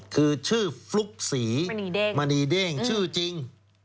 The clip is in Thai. คือชื่อฟลุ๊กศรีมณีเด้งชื่อจริง